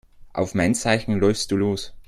Auf mein Zeichen läufst du los.